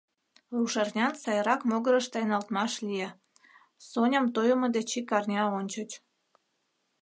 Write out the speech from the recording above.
Рушарнян сайрак могырыш тайналтмаш лие – Соням тойымо деч ик арня ончыч.